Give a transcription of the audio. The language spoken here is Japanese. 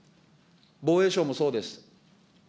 防衛省もそうです。